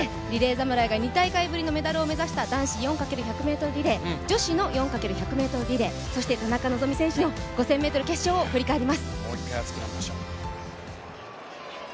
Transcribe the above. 侍が２大会ぶりのメダルを目指した男子４×４００ｍリレー女子の４×１００ｍリレーそして田中希実選手の５０００ｍ決勝を振り返ります。